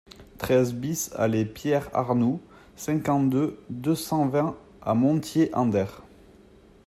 treize BIS allée Pierre Arnoult, cinquante-deux, deux cent vingt à Montier-en-Der